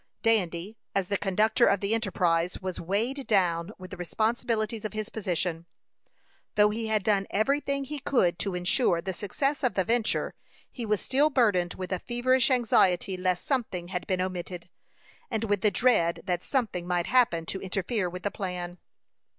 Dandy, as the conductor of the enterprise, was weighed down with the responsibilities of his position. Though he had done every thing he could to insure the success of the venture, he was still burdened with a feverish anxiety lest something had been omitted, and with the dread that something might happen to interfere with the plan.